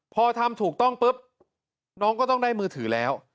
พอทำถูกต้องปุ๊บน้องก็ต้องได้มือถือแล้ว